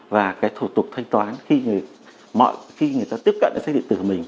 và cái thủ tục thanh toán khi người ta tiếp cận sách điện tử của mình